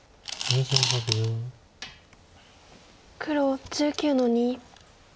黒１９の二。